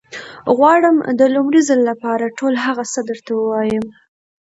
غواړم د لومړي ځل لپاره ټول هغه څه درته ووايم.